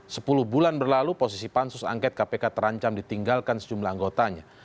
sepuluh bulan berlalu posisi pansus angket kpk terancam ditinggalkan sejumlah anggotanya